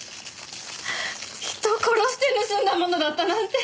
人を殺して盗んだものだったなんて。